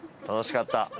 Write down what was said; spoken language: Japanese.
楽しかった。